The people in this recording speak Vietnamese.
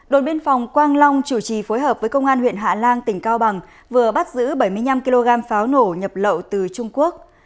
đội biên phòng quang long chủ trì phối hợp với công an huyện hạ lan tỉnh cao bằng vừa bắt giữ bảy mươi năm kg pháo nổ nhập lậu từ trung quốc